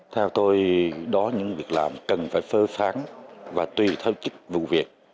theo tôi đó những việc làm cần phải phơ phán và tùy theo chức vụ việc